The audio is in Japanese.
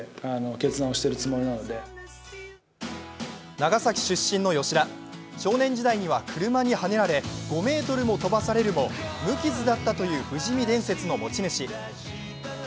長崎出身の吉田少年時代には車にはねられ５ｍも飛ばされるも無傷だったという不死身伝説の持ち主。